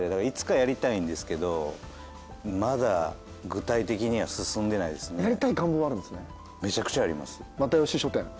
いつかやりたいんですけどまだ具体的には進んでないですね。